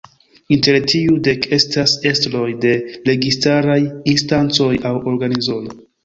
Inter tiuj dek estas estroj de registaraj instancoj aŭ organizoj.